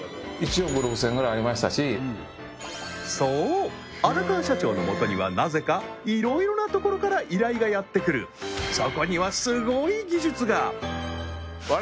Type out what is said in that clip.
そう荒川社長の元にはなぜかいろいろなところから依頼がやってくるそこにはすごい技術が！